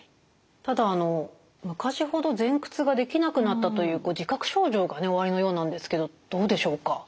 ただ昔ほど前屈ができなくなったという自覚症状がおありのようなんですけどどうでしょうか？